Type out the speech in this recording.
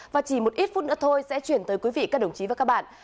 và chỉ một ít phút nữa thôi sẽ chuyển tới quý vị các đồng chí và các bạn